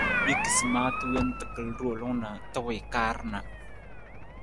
I kisi maata wonta kal roolung na ta wii kaar na.